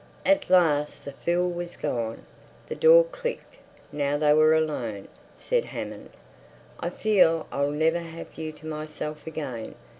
At last the fool was gone. The door clicked. Now they were alone. Said Hammond: "I feel I'll never have you to myself again.